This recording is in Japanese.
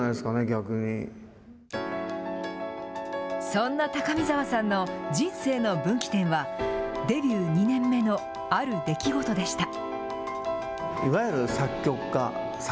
そんな高見沢さんの人生の分岐点は、デビュー２年目のある出来事でした。